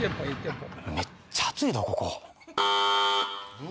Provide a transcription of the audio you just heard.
めっちゃ熱いどここ。